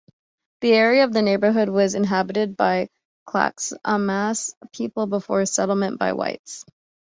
The area of the neighborhood was inhabited by Clackamas people before settlement by whites.